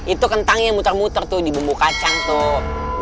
itu kentangnya muter muter tuh di bumbu kacang tuh